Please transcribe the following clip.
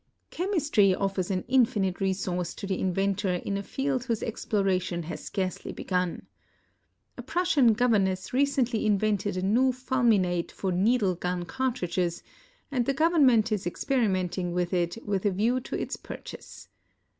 * Chemistry offers an infinite resource to the inventor in a field whose exploration has scarcely begun. A Prussian governess recently invented a new fulminate for needle gun cartridges, and the Government is experimenting with it with a view to its pur chase.